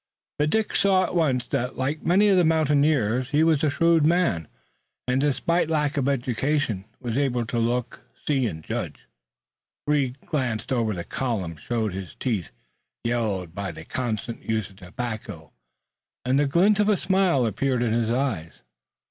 But Dick saw at once that like many of the mountaineers he was a shrewd man, and, despite lack of education, was able to look, see and judge. Reed glanced over the column, showed his teeth, yellowed by the constant use of tobacco, and the glint of a smile appeared in his eyes.